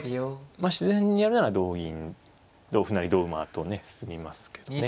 まあ自然にやるなら同銀同歩成同馬とね進みますけどね。